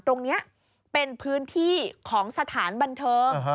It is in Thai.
ตรงนี้เป็นพื้นที่ของสถานบันเทิง